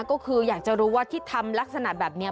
ก็คืออยากจะรู้ว่าที่ทำลักษณะแบบนี้